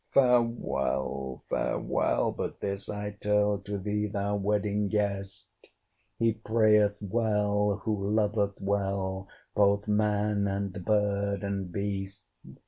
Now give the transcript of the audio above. Farewell, farewell! but this I tell To thee, thou Wedding Guest! He prayeth well, who loveth well Both man and bird and beast.